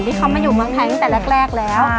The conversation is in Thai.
ที่เขามาอยู่เมืองไทยตั้งแต่แรกแล้ว